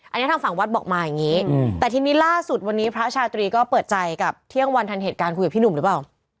อันนี้ทางฝั่งวัดบอกมาอย่างนี้แต่ทีนี้ล่าสุดวันนี้พระชาตรีก็เปิดใจกับเที่ยงวันทันเหตุการณ์คุยกับพี่หนุ่มหรือเปล่า